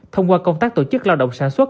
thông qua công tác tổ chức lao động sản xuất